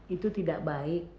itu tidak baik